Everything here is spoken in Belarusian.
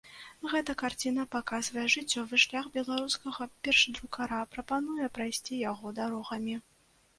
Гэта карціна паказвае жыццёвы шлях беларускага першадрукара, прапануе прайсці яго дарогамі.